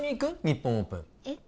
日本オープンえっ？